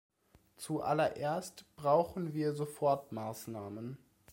Zuallererst brauchen wir Sofortmaßnahmen.